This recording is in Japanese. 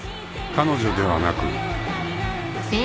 ［彼女ではなく］